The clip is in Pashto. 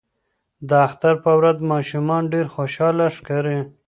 د اختر په ورځ ماشومان ډیر خوشاله ښکاري.